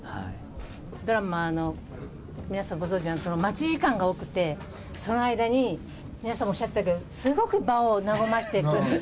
ドラマの、皆さんご存じの、待ち時間が多くて、その間に皆さんおっしゃってたけど、すごく場を和ませてくる。